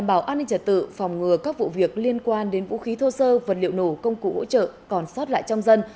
bên quan đến vũ khí thô sơ vật liệu nổ công cụ hỗ trợ còn sót lại trong dân